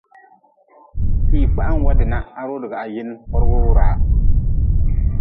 Hii kpaha-n wade na ha roodigi ha yin korgu wuraa.